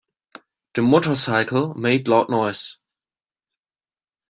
The motorcycle made loud noise.